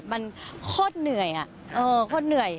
มันโคตรเหนื่อยโคตรเหนื่อย